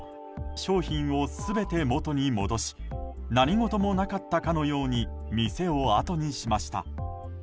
商品を全て元に戻し何事もなかったかのように店をあとにしました。